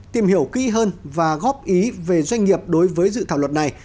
tìm hiểu kỹ hơn và góp ý về doanh nghiệp đối với dự thảo luật này